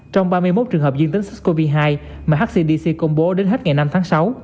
trong ba mươi một trường hợp dương tính sars cov hai mà hcdc công bố đến hết ngày năm tháng sáu